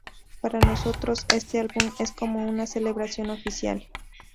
Para nosotros, este álbum es como una celebración oficial.